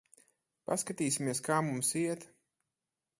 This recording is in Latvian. Paskatīsimies, kā mums iet.